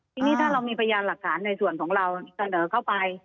ทีนี้ถ้าเรามีพยานหลักฐานในส่วนของเราเสนอเข้าไป